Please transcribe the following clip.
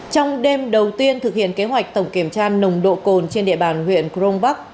trong đêm đầu tiên thực hiện kế hoạch tổng kiểm tra nồng độ cồn trên địa bàn huyện kronbach